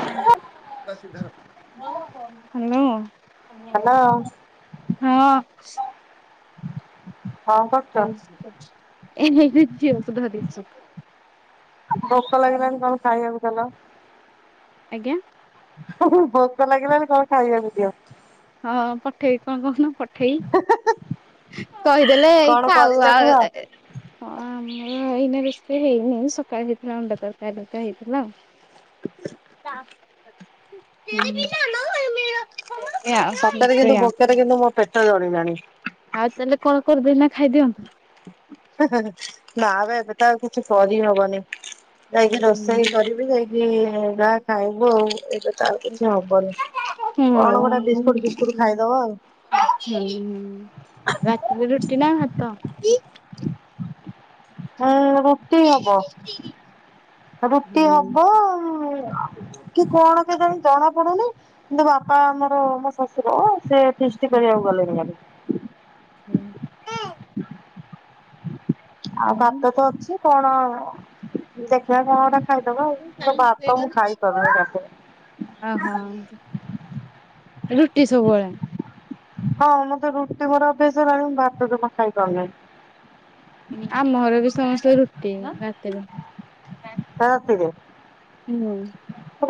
Hello. Hello ହଁ। କଣ କରୁଛ? ଏବେ ବି ଝିଅର ସୁଧ ଦେଉଛି। ଭୋକ ଲାଗିଲାଣି। କଣ ଖାଇବାକୁ ଦେଲ? ଆଜ୍ଞା। ଭୋକ ଲାଗିଲାଣି। କଣ ଖାଇବାକୁ ଦିଅ? ହଁ ପଠେଇ। କଣ କଣ କହୁନ ପଠେଇ କହିଦେଲେ ଏଇ କଣ ଖାଉ କରିଛ କୁହ ଆଉ ଏ ଏ ହୁଁ ଏଇନେ ରେସପି ହେଇନି ସକାଳ ହେଇଥିଲା ଅଣ୍ଡା ତରକାରି, ଭାତ ହେଇଥିଲା ଆଉ। [unintelligible] ସତରେ କିନ୍ତୁ ସେଇଆ ଭୋକରେ କିନ୍ତୁ ମୋ ପେଟ ଜଳିଲାଣି। ଆଉ ତାହେଲେ କଣ କରିଦେନା ଖାଇଦିଅନ୍ତୁ। ହେ ହଁ ହଁ ନା ବେ ଏବେତ ଆଉ କିଛି କରି ହବନି। ଯାଇକି ରୋଷେଇ କରିବି ଯାଇକି ଯାହା ଖାଇବୁ ଆଉ ଏଇ ତ ଆଉ କିଛି ହବନି। କଣ ଗୋଟେ ବିସ୍କୁଟ୍, ଫିସ୍କୁଟ୍ ଖାଇଦବ ଆଉ ହୁଁ ହୁଁ ରାତିରେ ରୁଟି ନା ଭାତ? ହଁ ରୁଟି ହବ। ରୁଟି ହବ ଅ ଅଁ ଅଁ କି କଣ କେଜାଣି ଜଣା ପଡୁନି। କିନ୍ତୁ ବାପା ଆମର ମୋ ଶ୍ବଶୁର ସେ ଫିଷ୍ଟି କରିବାକୁ ଗଲେଣି ହ୍ୟାଡେ। ହୁଁ ଏଁ। ଆଉ ଭାତ ତ ଅଛି। କଣ ଦେଖ୍ ସିଆ କଣ ଗୋଟା ଖାଇଦଵ ଆଉ ହେଲେ ଭାତ ମୁଁ ଖାଇପାରୁନି ଓହୋ ରାତିରେ ରୁଟି ସବୁବେଳେ? ହଁ ମୋତେ ରୁଟି ପୁରା ଅଭ୍ୟାସ ହେଇଗଲାଣି, ମୁଁ ଭାତ ଜମା ଖାଇପାରୁନି। ଆମ ଘରେ ବି ସମସ୍ତେ ରୁଟି ରାତିରେ। କଣ ଆସଚି ଯେ? ଉଁ ହୁଁ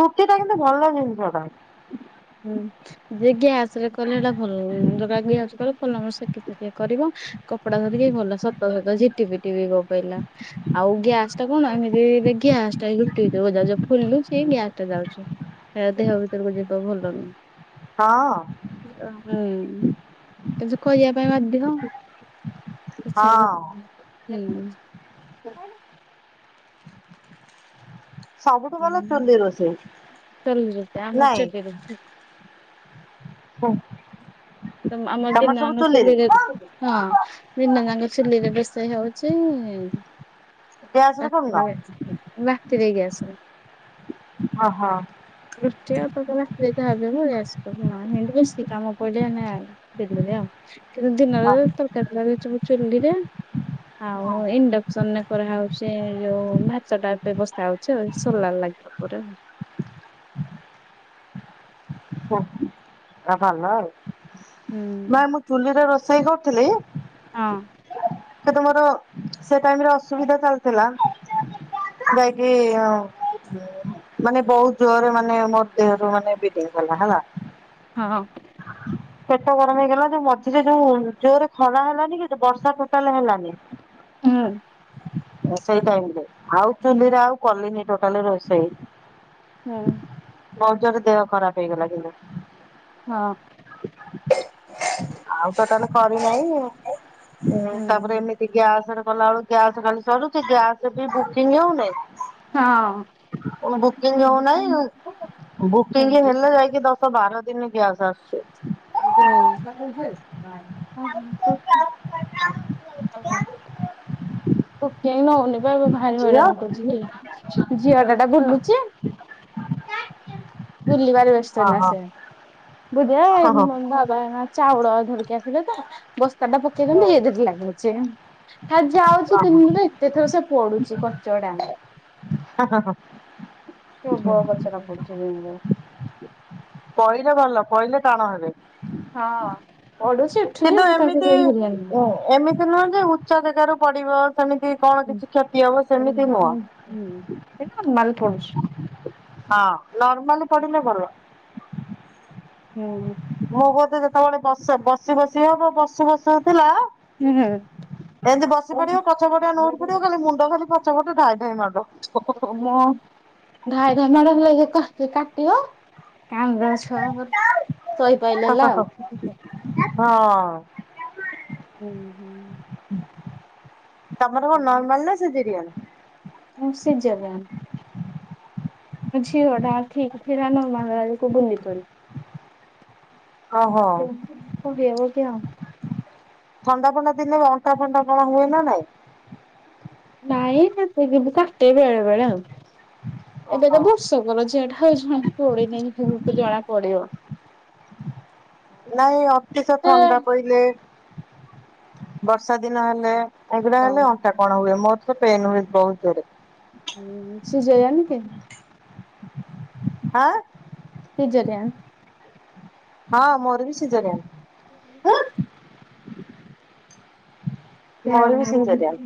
ରୁଟି ଟା କିନ୍ତୁ ଭଲ ଜିନିଷ ଟା। ହୁଁ ଯେ ଗ୍ୟାସ୍ ରେ କଲେ ସେଇଟା ଭଲ୍ ହଉନି। [unintelligible] ଭଲ ନାଗୁନି ସେକିକି କିଏ କରିବ କପଡା ଧରିକି ଭଲ ସତ ସତ ଝିଟି ପିଟି ବି ପ ପଇଲା। ଆଉ ଗ୍ୟାସ ଟା କଣ ଏମିତି ରେ ବି ଗ୍ୟାସ୍ ଟାକୁ ଉଠେଇ ଦବ ଯାଉ ଯାହା ଖୋଲୁଛି ଗ୍ୟାସ୍ ଟା ଜାଳୁଛି। ଏଆ ଦେହ ଭିତରକୁ ଯିବା ଭଲ ହଁ ନୁହଁ। ଓ ହେଇ କିନ୍ତୁ କରିବା ପାଇଁ ବାଧ୍ୟ। ଇଚ୍ଛା ହୁଁ ହଁ। ସବୁଠୁ ଭଲ ଚୁଲି ଚୁଲିରେ ରୋଷେଇ ଆମର ନାଇଁ। ଚୁଲିରେ। ହ ତ ଆମର ଦିନ ଜାଙ୍କ ଚୁଲି ରେ ହଁ ଦିନ ଜାଙ୍କ ଚୁଲିରେ ରୋଷେଇ ହଉଛି। ଗ୍ୟାସ ରେ କରୁନ? ରାତିରେ ଗ୍ୟାସ୍ ରେ। ହ ହଁ। ଦୃଷ୍ଟି ଆ ତ ରାତିରେ। [unintelligible] ବେଶି କାମ ପଡିଲେ ନେ ଚୁଲି ରେ। କିନ୍ତୁ ଆ ଦିନରେ ତରକାରୀ ଫକାରି ସବୁ ଚୁଲିରେ ଆଉ ଇଣ୍ଡସନରେ। କରା ହଉଛି ଯୋଉ ଭାତ ଟା ବ୍ୟବସ୍ଥା ହଉଛି ସୋଲାର ଲାଗିଚି ଉପରେ। ଭଲ ଆଉ ହୁଁ ନାଇଁ ମୁଁ ଚୁଲିରେ ରୋଷେଇ କରୁଥିଲି ହଁ। ତମର ସେ ଟାଇମରେ ଅସୁବିଧା ଚାଲିଥିଲା। ବାକି ଅ- ମାନେ ବହୁତ ଜୋରରେ ମାନେ ମୋ ଦେହରୁ ମାନେ ବ୍ଲିଡିଁ ପଡ଼ିଲା। ହଁ। ପେଟ ଗରମ ହେଇଗଲା ଯୋଉ ମଝିରେ ଯୋଉ ଜୋରରେ ଖରା ହେଲାନି କି ବର୍ଷା ଟୋଟାଲ ହେଲାନି। [unintelligible] ରୋଷେଇ ଟାଇମରେ ଆଉ ଚୁଲିରେ ଆଉ କଲିଣି ଟୋଟାଲି ରୋଷେଇ। ହୁଁ। ବହୁତ୍ ଜୋରେ ଦେହ ଖରାପ ହେଇଗଲା କିନ୍ତୁ। ହଁ ଆଉ ତ ତାହେଲେ କରି ନାହିଁ ଉମ ତାପରେ ଏମିତି ଗ୍ୟାସରେ କଲା ବେଳୁ ଗ୍ୟାସ୍ ଖାଲି ସରୁଛି ଗ୍ୟାସ୍ ବି ବୁକିଂ ହଉନାହିଁ। ହଁ। ବୁକିଂ ହଉନାହିଁ ବୁକିଂ ହଁ। ହେଲେ ଯାଇକି ଦଶ ବାର ଦିନ ଗ୍ୟାସ ଆସୁଚି। [unintelligible] ହ ହ ନାଇ ନଉନି ବା ଭାରି ଝିଅ ହଇରାଣ କରୁଛି ନାଇ ଝିଅ ଟା ତ ବୁଲୁଛି। ବୁଲିବାରେ ବ୍ୟସ୍ତ ନା ଓହୋ ସେ। ହଁ ହଁ [unintelligible] ଚାଉଳ ଧରିକିଆ ଥିଲେ ତ ବ୍ୟ ତାଟା ପକେଇଦନ୍ତୁ ଇଏ ହଁ ଧରେ ଲାଗୁଛି [unintelligible] ଦିନରେ ଏତେ ଥର ସେ ପଡୁଛି କଚଡା। ହ ହ ହ। ପ୍ରବଳ କଚଡା ପଡୁଛି ଦିନରେ। ପଇଲେ ଭଲ ପଇଲେ ଟାଣ ହେବେ। ହଁ। ପଡୁଛି ଉଠୁଛି କିନ୍ତୁ ମୁଁ ତାକୁ ଏମିତି କେବେ ଧରି ଆଣିନି। ଏ ଏମିତି ନୁହଁ ଯେ ଉଚା ଜାଗାରୁ ପଡିବ ଅ ସେମିତି କଣ କିଛି କ୍ଷତି ହବ ସେମିତି ନୁହଁ। ଠଉଛି। ହଁ ନର୍ମାଲ ପଡ଼ିଲେ ଭଲ। ହୁଁ। ମୁଁ ବୋଧେ ଯେତେବେଳେ ବ ବସି ବସି ହବ ବସୁ ବସୁ ଥିଲା ଏମିତି ବସି ପଡିବ ପଛ ପଟିଆ ଲେଉଟି ପଡିବ ହୁଁ। ଖାଲି ମୁଣ୍ଡ ଖାଲି ଫାଟି ପଛ ପଟୁ ଧଇ ଧାଇ ମାଡ। ମ୍ ଢାଇ ଢାଇ ମାଡ ହେଲେ [unintelligible] କ କାଟି କାନ୍ଦ ଛୁଆ ସହିପାଇଲେ ନା। ହଁ ହୁଁ ହୁଁ। ତମର କଣ ନର୍ମାଲ ନା ସିଜରିୟାନ? ମୁଁ ଏ ଝିଅଟା ଠିକ ଥିଲା ନର୍ମାଲ ବେଳକୁ ଓହୋ [unintelligible] [unintelligible] ଥଣ୍ଡା ଫଣ୍ଡା ଥିଲେ ଅଣ୍ଟା ଫଣ୍ଟା କଣ ହୁଏ ନା ନାଇଁ? ନାଇ ନ ସେ ବି କି କାଟ ବେଳେ ବେଳେ ଆଉ। ଏବେ ଓହୋ। ତ ବର୍ଷକର ଝିଅ ଟା ଆଉ ଜଣ ପୋଡିଇ ନେଇ ସେ ଜଣା ପଡ଼ିବ ନାଇଁ ଅତିଶ ଥଣ୍ଡା ପଇଲେ ବର୍ଷା ଦିନ ହେଲେ ଏଗୁଡା ହଲେ ହୁଁ। ଅଣ୍ଟା କଣ ହୁଏ ମୋର ତ ପେନ ହୁଏ ବହୁତ ଜୋରେ। ହଁ ସିଜରିୟାନ କି? ଆଁ। ସିଜରୀୟାନ। ହଁ ମୋର ବିି ସିଜରୀୟାନ। ୟା ମୋର ବି ମୋ ସିଜରିଆନ୍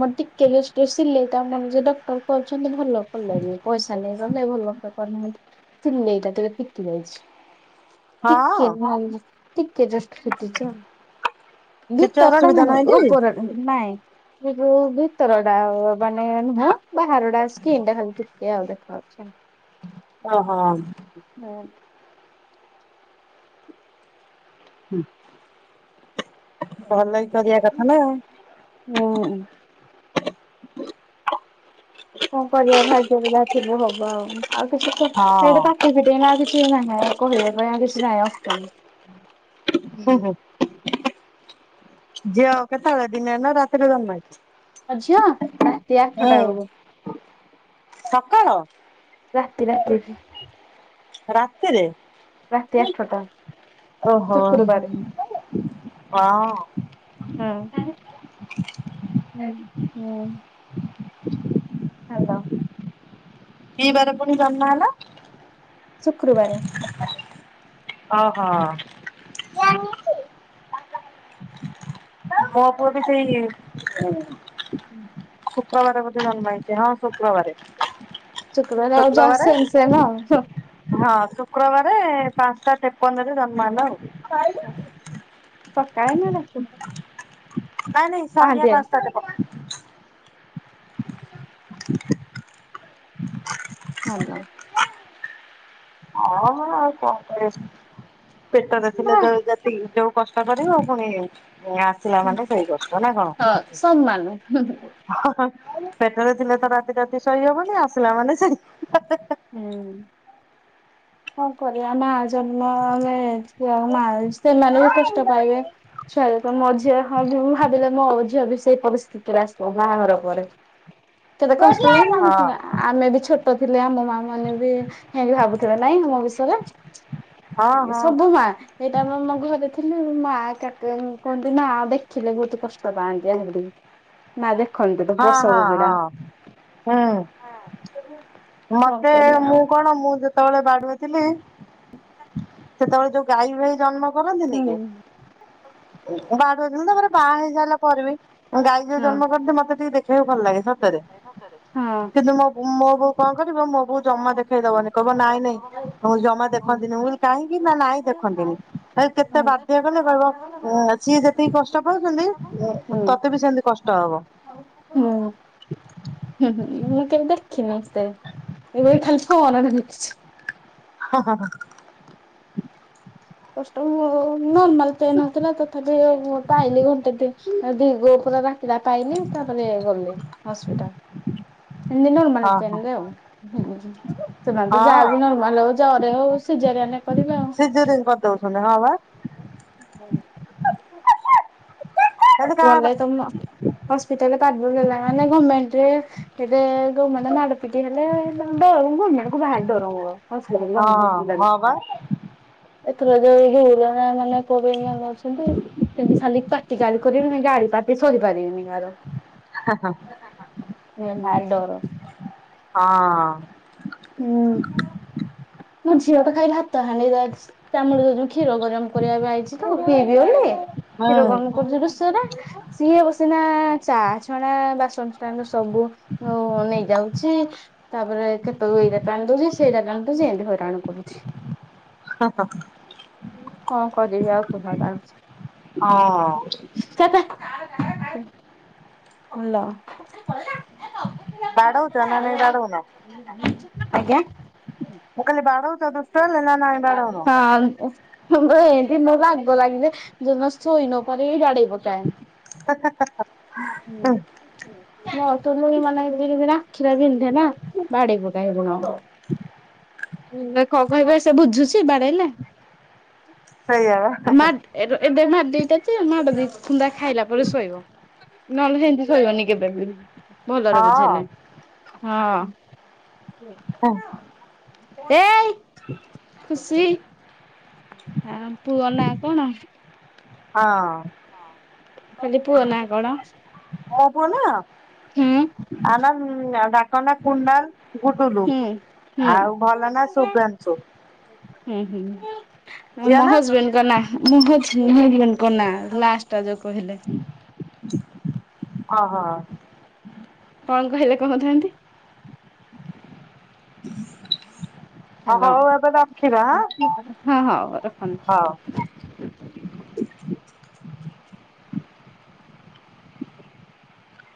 ମୋର ଟିକେ ୟେ ଷ୍ଟଜ ସିଲେଇ ଟା ମୋ ମନେ ଯୋଉ ଡକ୍ଟର କରିଛନ୍ତି ଭଲ କଲେନି ପଇସା ନେଇ ଗଲେ ଭଲ ସେ କରିନାହାନ୍ତି ସିଲେଇଟା ଟିକେ ଫିଟି ଯାଇଛି। ହଁ। ଟିକେ ମାନ ଟିକେ ଜଷ୍ଟ ଫିଟିଚି ଆଉ କିଛି ଭିତରଟା ଅସୁବିଧା ନାହିଁ ଟି ଉପର ଟା ନାଇଁ ସେ ଯୋଉ ଭିତର ଟା ମାନେ ନୁହଁ ବାହାରଟା ସ୍କିନ ଟା ଖାଲି ଟିକେ ଆଉ ଦେଖାଉଚି ଆଉ। ଓ ହୋ। ହୁଁ। ନା। ହୁଁ। କଣ କରିବା ଭାଗ୍ୟ ରେ ଯାହା ଥିବ ହବ ଆଉ। ଆଉ କିଛି କ ସେଇଠି ହଁ ପାଟି ଫିଟେଇକିନା ଆଉ କିଛି ନାଇ ଆଉ କହିବ ପାଇଁ ଆଉ କିଛି ନାଇଁ ଅପ୍ସନ ହୁଁ ହଁ। ହୁଁ ଝିଅ କେତେବେଳେ ଦିନ ରେ ନା ରାତି ରେ ଜନ୍ମ ହେଇଚି? ମୋ ଝିଅ ରାତି ଆଠଟା ବେଳକୁ। ସକାଳ ରାତି ରାତି ରାତିରେ? ରାତି ଆଠଟା ଓହୋ ଶୁକ୍ରବାରେ ହଁ। ହୁଁ। ହୁଁ। ହାଲୋ। କି ବାର ପୁଣି ଜନ୍ମ ହେଲା? ଶୁକ୍ରବାରେ ଓହୋ। ମୋଅ ପୁଅ ବି ସେଇ ଶୁକ କ୍ରବାର ବୋଧେ ଜନ୍ମ ହେଇଚି ହଁ ଶୁକ୍ରବାର। ଶୁକ୍ରବାର ଆଉ ଯା ସେମ ସେମ ଆଉ ହୁଁ। ଶୁକ୍ରବାର ପାଞ୍ଚଟା ତେପନ ରେ ଜନ୍ମ ହେଲା ଆଉ। ସକାଳେ ନା ରାତିରେ? ନାଇଁ ନାଇଁ ସନ୍ଧ୍ୟା ପାଞ୍ଚଟାରେ ହ୍ୟାଲୋ। ହଁ ହ ଆଉ କଣ କହିବି ପେଟରେ ଥିଲେ ଜଳ ଜାତି ଯୋଉ କଷ୍ଟ କରିବ ପୁଣି ଆସିଲା ମାନେ ସେଇ କଷ୍ଟ ନା କଣ ହଁ ସମାନ ହ ହ। ପେଟରେ ଥିଲେ ତ ରାତି ରାତି ସହି ହବନି ଆସିଲା ମାନେ ସେଇ ହେ-ହେ-ହେ। ହୁଁ। କଣ କରିବା ମା ଜନ୍ମ ଆମେ ମା ସେମାନେ ବି କଷ୍ଟ ପାଇବେ। ଛୁଆ ତ ମୋ ଝିଅ ହବ ମୁଁ ଭାବିଲେ ମୋ ଝିଅ ବି ସେଇ ପରିସ୍ଥିତିରେ ଆସିବ ବାହାଘର ପରେ। କେତେ ହଁ କଷ୍ଟ ହଁ କଣଥିଲା ଆମେ ବି ଛୋଟ ଥିଲେ ଆମ ମା ମାନେ ବି ହେଇକି ଭାବୁଥିବେ ନାଇଁ ମୋ ବିଷୟରେ ହଁ ହଁ ସବୁ ମା ସେଇଟା ଆମ-ମ-ମ ଘରେ ଥିଲ ମା କାକା କୁହନ୍ତି ନା ଦେଖିଲେ ବହୁତ କଷ୍ଟ ପାଆନ୍ତି ହେ ମାରେ ହଁ ହଁ ହଁ ହୁଁ ମ କରି ଆଉ। ମୁଁ ଯେତେବେଳେ ବାଡୁଅ ଥିଲି ସେତେବେଳେ ଯୋଉ ଗାଈ ଭାଇ ଜନ୍ମ ହୁଁ କରନ୍ତିନିକି ବା ତାପ ବାହା ହେଇ ସାରିଲା ପରେବି ଗାଈଯୋଉ ହଁ। ଜନ୍ମ କରନ୍ତି ମତେ ଟିକ ଦେଖିବାକୁ ଭଲ ଲାଗେ। କିନ୍ତୁ ମୋ-ମୋ ବୋଉ କଣ କରିବ ମୋ ବୋଉ ଜମା ଦେଖେଇ ଦବନି, କହିବ ନାଇଁ ନାଇଁ ହଁ ହୁଁ କେତେ ବାଧ୍ୟ କଲେ କହିବ ସିଏ ଯେତିକି କଷ୍ଟ ପାଉଛନ୍ତି ତତେ ବି ସେମିତି କଷ୍ଟ ହବ। ହଁ ମୁଁ କେବେ ଦେଖିନି ସ୍ତେ ଏବେ ଖାଲିଠୁ ଅନାଟା ଦେଖିଛି। ହଁ ହଁ ହ। କଷ୍ଟ ନର୍ମାଲ ପେନ୍ ହେଥିଲା ତଥାପି ମୁଁ ପାଇଲି ଘଣ୍ଟେ ଦିନ ଦିଘ ପୁରା ରାତିିଲା ପାଇଲି ତାପରେ ଗଲି ହସ୍ପିଟାଲ। ଏମତି ନର୍ମାଲ ହଁ ପେନ ହଁ ରେ ଆଉ, ସେମାନେ ତ ଯାହା ହଁ ବି ନର୍ମାଲ ହଉ ଜରେ ହଉ ସିଝ ନେ କରିବେ ଆଉ। ସିଜରିଙ୍ଗ କରିଦଉଛନ୍ତି ହଁ ବା ଯଦି କାହା ଗଲେ ତ ହସ୍ପିଟାଲରେ ମାନେ [unintelligible] ଗଭର୍ମେଣ୍ଟରେ ଏବେ ଯୋଉମାନେ ମାଡ଼ ପିଟି ହେଲେ ଡର ଗମେଣ୍ଟକୁ ଭାରି ଡର ମୋର ହଁ ହଁ ବା [unintelligible] [unintelligible] କରିବୁ ଗାଳି ପାଟିି ସହି ପାରିବିନି କାହାର। ଡର। ହଁ। ହୁଁ। ମୋ ଝିଅ ତା ଖାଇଲି ହାତ ହାଣ୍ଡି ବାଜୁଛି ତାମୁଳେ ଯଉ କ୍ଷୀର ଗରମ କରିବା ପାଇଁ ଆଇଛି ତା ପିଇବି ବୋଲି। ହୁଁ କ୍ଷୀର ଗରମ କରୁଛି ରୁସରେ ସିଏ ସିନା ଚା ଛଣା ବାସନଷ୍ଟାଣ୍ଡ ରୁ ସବୁ ନେଇଯାଉଛି। ତାପରେ କେତବେଳକୁ ଏଇଟା ଟାଣି ଦଉଛି ସେଇଟା ଟାଣି ଦଉଛି ଏମିତି ହଇରାଣ କରୁଛି। ହଁ ହଁ। କଣ କରିବି ଆଉ [unintelligible] ହଁ। ହ୍ୟାଲୋ। ବାଡ଼ାଉଛ ନା ନାଇଁ ବାଡ଼ାଉନା? ଆଜ୍ଞା, ହଁ ବାଡଉଛ ଦୁଷ୍ଟ ହେଲେ ମତେ ନା ନାଇଁ ବାଡଉନ? ଏମିତି ରାଗ ଲାଗିଲେ ଯୋଉଦିନ ଶୋଇ ନ ପାରିକି ବାଡେଇ ପକାଏ। ହା ହା ହା। ହୁଁ ହୁଁ। ହଁ ତ ମୁଇ ମାନେ [unintelligible] ଆଖିଟା ବିନ୍ଧେ ନା ବାଡେଇ ପକାଏ ଗୁଣ। ହୁଁ କନ କହିବା ସେ ବୁଝୁଛି ବାଡେଇଲେ? ସେଇଆ ବା ମା ଏ ଏବେ ମା ଦିଟା ସେ ମାଡ଼ ଦି ଖୁନ୍ଦା ଖାଇଲା ପରେ ଶୋଇବ ନହେଲେ ସେମିତି ଶୋଇବନି କେବେ ବି। ଭଲରେ ବୁଝେଇଲେ ହଁ ହଁ। ହଁ। ଏଇ ଖୁସି। ଆ ପୁଅ ନାଁ କଣ? ହଁ। ହଁ କହିଲି ପୁଅ ନାଁ କଣ? ମୋ ପୁଅ ନା? ହୁଁ ଆ ନାଁ ଡାକ ନାଁ କୁନାଲ ଗୁଡ଼ୁଲୁ ହୁଁ ହୁଁ। ଆଉ ଭଲ ନା ଶୁଭ୍ରାଂଶୁ। ହୁଁ ହୁଁ ହୁଁ। ଝିଅ ମୋ ନା ହଜବେଣ୍ଡଙ୍କ ନାଁ ମୁଁ ହଉଛି, ମୋ ହଜବେଣ୍ଡଙ୍କ ନାଁ ଲାଷ୍ଟଟା ଯୋଉ କହିଲେ ଓହୋ। କଣ କହିଲେ କହୁଥାନ୍ତି? ହ୍ୟାଲୋ, ହଉ ଏବେ ରଖିବା ହଁ ହଁ ହଉ ହଉ। ରଖନ୍ତୁ। [inaudible]